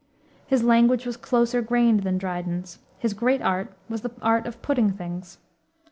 His language was closer grained than Dryden's. His great art was the art of putting things.